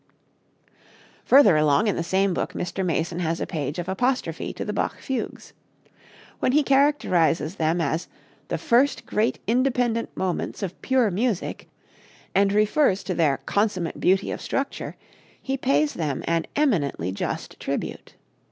Further along in the same book Mr. Mason has a page of apostrophe to the Bach fugues. When he characterizes them as "the first great independent monuments of pure music," and refers to their "consummate beauty of structure," he pays them an eminently just tribute.